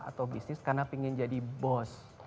atau bisnis karena ingin jadi bos